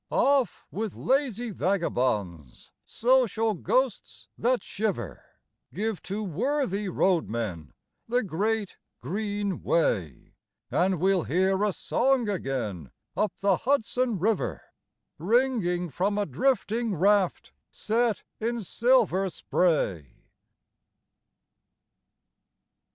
Off with lazy vagabonds, social ghosts that shiver, Give to worthy road men the great green way, And we'll hear a song again up the Hudson river, Ringing from a drifting raft, set in silver spray.